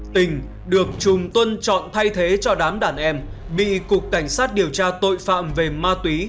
tình được chùm tuân chọn thay thế cho đám đàn em bị cục cảnh sát điều tra tội phạm về ma túy